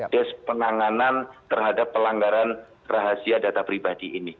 desk penanganan terhadap pelanggaran rahasia data pribadi ini